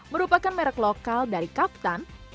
merupakan merek lokal dari kapten